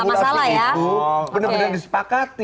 regulasi itu benar benar disepakati